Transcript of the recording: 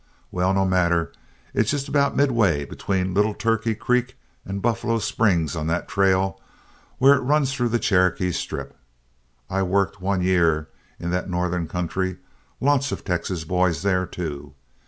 Well, no matter, it's just about midway between Little Turkey Creek and Buffalo Springs on that trail, where it runs through the Cherokee Strip. I worked one year in that northern country lots of Texas boys there too.